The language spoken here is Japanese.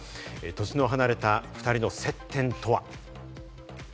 年の離れた２人の接点とは？